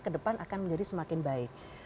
ke depan akan menjadi semakin baik